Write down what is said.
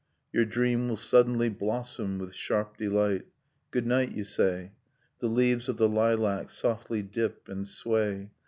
Your dream will suddenly blossom with sharp delight ... Good night ! you say. .. The leaves of the lilac softly dip and sway.